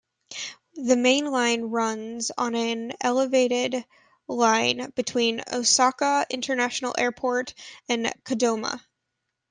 The Main Line runs on an elevated line between Osaka International Airport and Kadoma.